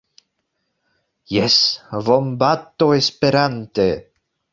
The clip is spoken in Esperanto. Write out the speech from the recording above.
Jes, vombato Esperante.